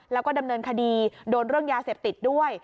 แล้วก็ดำเนินคดีโดนเรื่องยาเสพติดด้วย